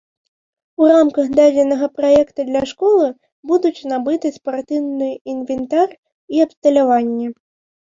У рамках дадзенага праекта для школы будуць набыты спартыўны інвентар і абсталяванне.